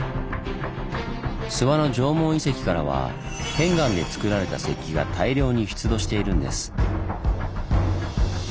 諏訪の縄文遺跡からは片岩でつくられた石器が大量に出土しているんです。